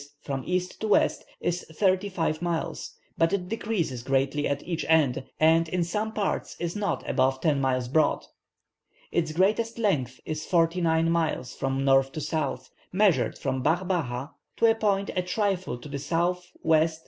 from east to west, is thirty five miles, but it decreases greatly at each end, and in some parts is not above ten miles broad. Its greatest length is forty nine miles from north to south, measured from Bab Baha to a point a trifle to the S.W.¼W.